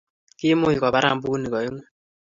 Kimuch kubaran bunyik oeng'u